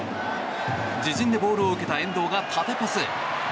自陣でボールを受けた遠藤が縦パス。